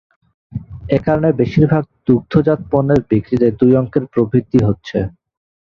এ কারণে বেশির ভাগ দুগ্ধজাত পণ্যের বিক্রিতে দুই অঙ্কের প্রবৃদ্ধি হচ্ছে।